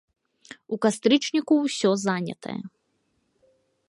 У кастрычніку усё занятае.